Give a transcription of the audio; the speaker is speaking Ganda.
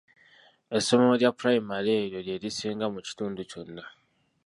Essomero lya pulayimale eryo lye lisinga mu kitundu kyonna.